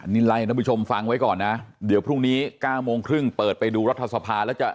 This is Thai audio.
นี่ไล่ท่านผู้ชมฟังไว้ก่อนนะเดี๋ยวพรุ่งนี้๙โมงครึ่งเปิดไปดูรัฐสภาแล้วจะ